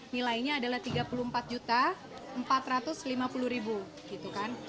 nilainya adalah rp tiga puluh empat empat ratus lima puluh gitu kan